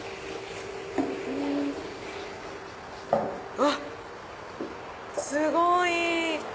うわっすごい！